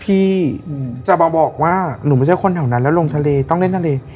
พี่จะมาบอกว่าหนูไม่ใช่คนแถวนั้นแล้วลงทะเลต้องเล่นทะเล